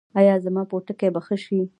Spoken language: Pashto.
ایا زما پوټکی به ښه شي؟